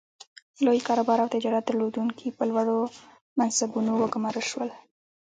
لوی کاروبار او تجارت درلودونکي په لوړو منصبونو وګومارل شول.